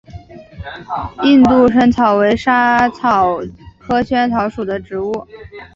印度薹草为莎草科薹草属的植物。